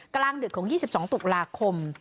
กลางเดือดของ๒๒ตุกลาคม